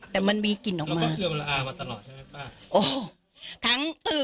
แต่มันมีกลิ่นน้ำมา